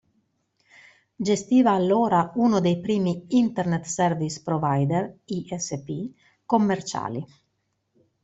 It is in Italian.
Gestiva allora uno dei primi Internet Service Provider (ISP) commerciali.